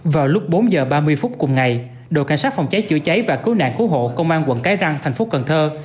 vào lúc bốn h ba mươi phút cùng ngày đội cảnh sát phòng cháy chữa cháy và cứu nạn cứu hộ công an quận cái răng thành phố cần thơ